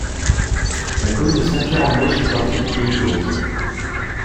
La commune de Saint-Pierre-en-Auge fait partie du pays d'Auge.